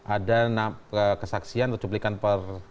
ada kesaksian atau cuplikan per